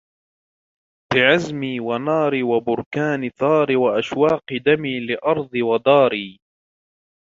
بعزمي وناري وبركان ثأري وأشواق دمي لأرضي وداري